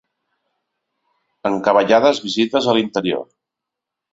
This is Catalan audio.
Encavallades vistes a l'interior.